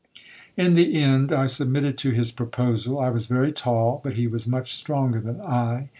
'In the end I submitted to his proposal. I was very tall, but he was much stronger than I.